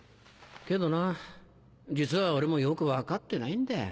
けどな実は俺もよく分かってないんだよ。